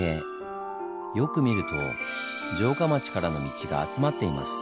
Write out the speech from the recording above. よく見ると城下町からの道が集まっています。